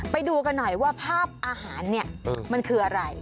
ไปดูกันหน่อยว่าภาพอาหารเนี่ยมันคืออะไร